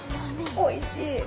おいしい。